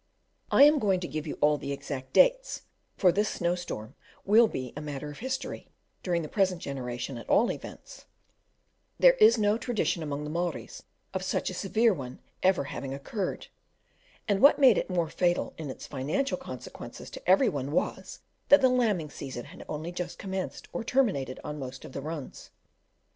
I am going to give you all the exact dates, for this snow storm will be a matter of history, during the present generation at all events: there is no tradition among the Maoris of such a severe one ever having occurred; and what made it more fatal in its financial consequences to every one was, that the lambing season had only just commenced or terminated on most of the runs.